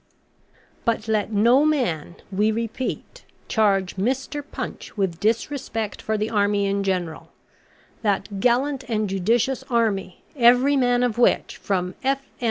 But let no man, we repeat, charge MR. PUNCH with disrespect for the Army in general that gallant and judicious Army, every man of which, from F.M.